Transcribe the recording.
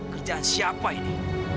kerjaan siapa ini